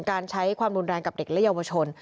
การใช้ความรุนแรงกับเด็กและเยาวชน